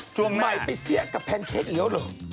ช่วงหน้าไมค์ไปเสียกับแพนเค้กอีกแล้วหรือ